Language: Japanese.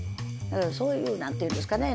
そういう何と言うんですかね